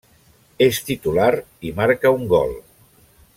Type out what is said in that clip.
És titular i marca un gol.